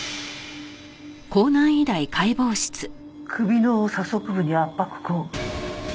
首の左側部に圧迫痕。